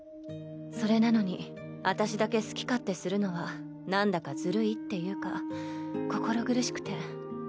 それなのに私だけ好き勝手するのはなんだかずるいっていうか心苦しくて。